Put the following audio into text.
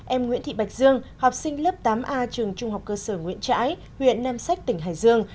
em nguyễn thị bạch dương học sinh lớp tám a trường trung học cơ sở nguyễn trãi huyện nam sách tỉnh hải dương